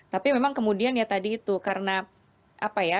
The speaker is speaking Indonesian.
tapi memang kemudian ya tadi itu karena apa ya karena persoalan untung rugi ya